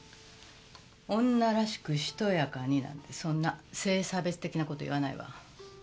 「女らしくしとやかに」なんてそんな性差別的な事言わないわ。